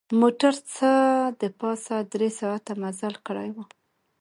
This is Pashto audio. موټر څه د پاسه درې ساعته مزل کړی و.